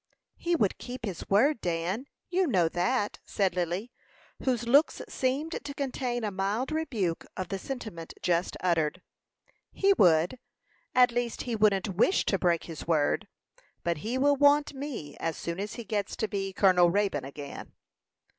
"He would keep his word, Dan; you know that," said Lily, whose looks seemed to contain a mild rebuke of the sentiment just uttered. "He would; at least, he wouldn't wish to break his word; but he will want me as soon as he gets to be Colonel Raybone again."